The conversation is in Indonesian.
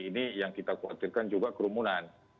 ini yang kita khawatirkan juga kerumunan